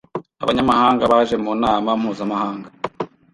Abanyamahanga baje mu nama mpuzamahanga